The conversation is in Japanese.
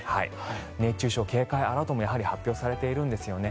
熱中症警戒アラートも発表されているんですよね。